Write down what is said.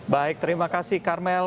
baik terima kasih karmel